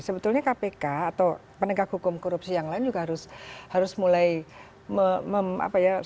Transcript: sebetulnya kpk atau penegak hukum korupsi yang lain juga harus mulai sensitif begitu perdagangan hukum terasa paling lebih cukup